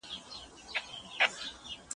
شم غوندي اوښکه سي پر ځان راتوۍ سي